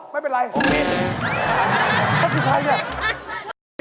อ๋อไม่เป็นไรนะครับเขาผิด